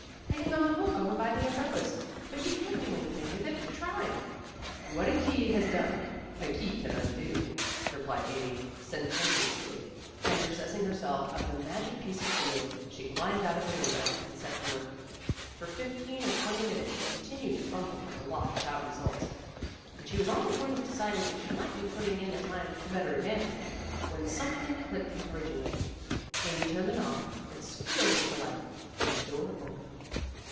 "Hanging on a hook over by the umbrellas. But you can't do anything with it. I Ve tried. " "What a key has done a key can undo," re plied Amy, sententiously ; and possessing her self of the magic piece of steel, she climbed out of the window and set to work. For fifteen or PEGGY GIVES A DINNER 197 twenty minutes she continued to fumble at the lock without results, and she was on the point of deciding that she might be putting in the time to better advantage, when something clicked encouragingly. Amy turned the knob, and squealed with delight; for the door opened.